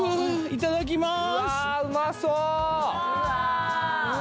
いただきます